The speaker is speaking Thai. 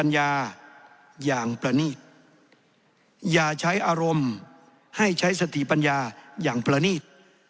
อย่างประนีตอย่าใช้อารมณ์ให้ใช้สติปัญญาอย่างประนีต